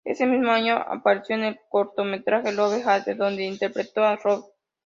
Ese mismo año apareció en el cortometraje "Love Hate" donde interpretó a Rob.